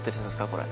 これ。